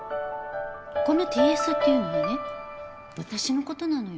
このＴ・Ｓっていうのはね私のことなのよ。